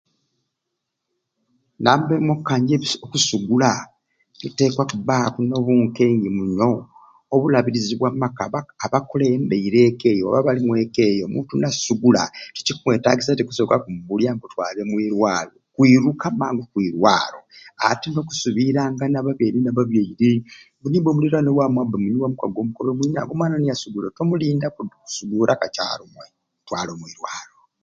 Namba emwei kanje siku okusi okusigula tuteeka kubbaku n'obunkenke muno obulabirizi bwa maka abakali abakulembeire eka eyo aba aali mu eka eyo omuntu na sigula tekikwetagisa te kusooka kumubulya nti nkutwale omwirwaro kwiruka mangu kwirwaro ati n'okusubiranga babyaire n'ababyaire odi mbe onulirwana wamu abbe munywi wa mikago omwana oni niasigula tomulinda kusiguura mbe kacaalumwe twala omwirwaro